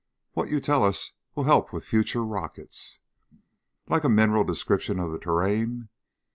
"What you tell us will help with future rockets." "Like a mineral description of the terrain?"